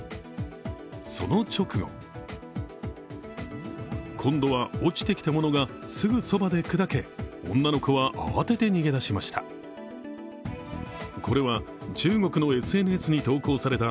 その直後今度は落ちてきたものがすぐそばで砕け、女の子は慌てて逃げ出しました。